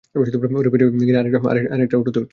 ওরা বেরিয়ে গিয়ে আর একটা শেয়ার অটোতে উঠেছে।